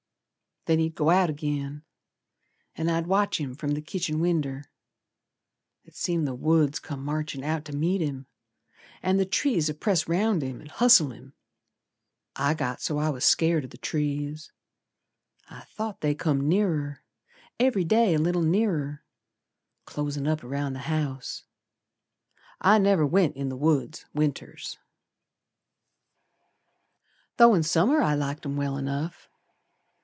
Then he'd go out agin, An' I'd watch him from the kitchin winder. It seemed the woods come marchin' out to meet him An' the trees 'ud press round him an' hustle him. I got so I was scared o' th' trees. I thought they come nearer, Every day a little nearer, Closin' up round the house. I never went in t' th' woods Winters, Though in Summer I liked 'em well enough.